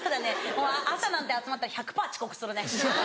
もう朝なんて集まったら１００％遅刻するね。